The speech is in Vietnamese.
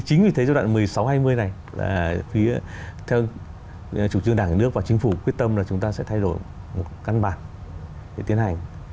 chính vì thế giai đoạn một mươi sáu hai mươi này là phía theo chủ trương đảng nhà nước và chính phủ quyết tâm là chúng ta sẽ thay đổi một căn bản để tiến hành